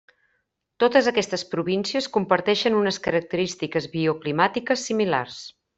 Totes aquestes províncies comparteixen unes característiques bioclimàtiques similars.